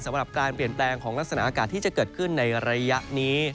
สำหรับการเปลี่ยนแปลงของลักษณะอากาศที่จะเกิดขึ้นในระยะนี้